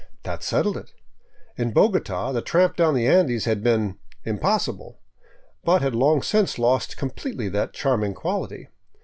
That settled it. In Bogota the tramp down the Andes had been " impossible," but had long since lost completely that charming quality.